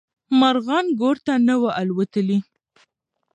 مارغان ګور ته نه وو الوتلي.